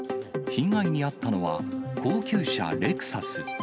被害に遭ったのは高級車、レクサス。